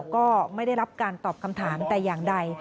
ก็ไม่ได้รับการตอบคำถามแต่อย่างใด